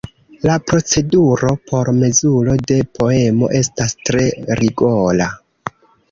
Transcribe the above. La proceduro por mezuro de poemo estas tre rigora.